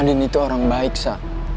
andin itu orang baik sa